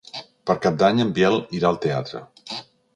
Per Cap d'Any en Biel irà al teatre.